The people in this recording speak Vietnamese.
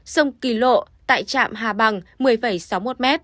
sông kỳ lộ tại trạm hà bằng một mươi sáu mươi một m